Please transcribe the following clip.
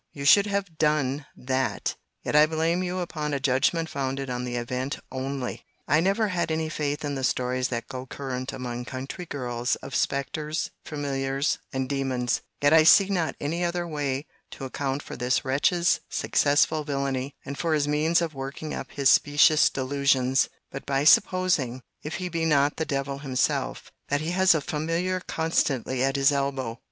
—You should have done that—yet I blame you upon a judgment founded on the event only! I never had any faith in the stories that go current among country girls, of specters, familiars, and demons; yet I see not any other way to account for this wretch's successful villany, and for his means of working up his specious delusions, but by supposing, (if he be not the devil himself,) that he has a familiar constantly at his elbow.